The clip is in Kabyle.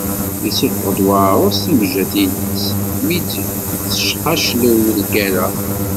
Yessuffeɣ-d uɛarus timejjatin-is mi d-tecxaclew lgerra.